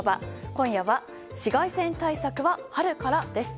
今夜は紫外線対策は春からです。